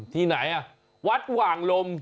ที่ไหนวัดหว่างลม